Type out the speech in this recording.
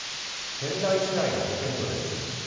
仙台市内の保健所です。